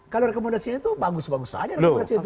kalau rekomendasinya itu bagus bagus saja rekomendasi itu